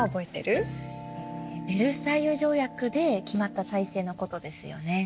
ヴェルサイユ条約で決まった体制のことですよね。